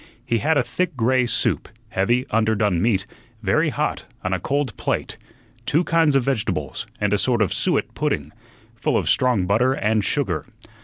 He had a thick gray soup; heavy, underdone meat, very hot, on a cold plate; two kinds of vegetables; and a sort of suet pudding, full of strong butter and sugar.